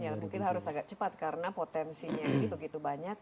ya mungkin harus agak cepat karena potensinya ini begitu banyak